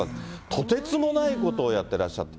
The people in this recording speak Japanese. とてつもないことをやってらっしゃった。